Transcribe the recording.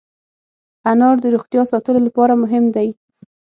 انار د روغتیا ساتلو لپاره مهم دی.